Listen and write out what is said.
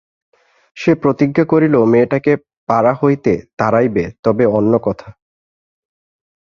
সে প্রতিজ্ঞা করিল, মেয়েটাকে পাড়া হইতে তাড়াইবে তবে অন্য কথা।